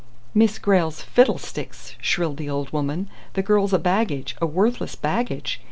"Miss Grayle's fiddlesticks!" shrilled the old woman. "The girl's a baggage, a worthless baggage!